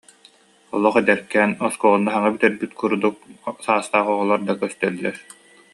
Олох эдэркээн оскуоланы саҥа бүтэрбит курдук саастаах оҕолор да көстөллөр